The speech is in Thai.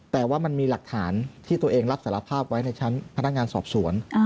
แต่ว่ามันมีหลักฐานที่ตัวเองรับสารภาพไว้ในชั้นพนักงานสอบสวน